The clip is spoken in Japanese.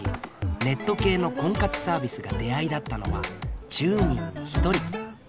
ネット系の婚活サービスが出会いだったのは１０人に１人。